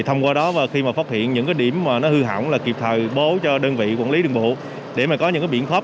thông qua đó khi phát hiện những điểm hư hỏng kịp thời bố cho đơn vị quản lý đường bộ